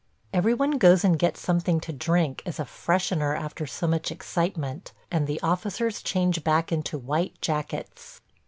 Every one goes and gets something to drink as a freshener after so much excitement and the officers change back into white jackets.